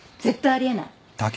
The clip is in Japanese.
絶対あり得ない。